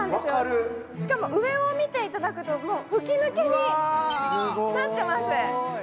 しかも、上を見ていただくと、吹き抜けになってます。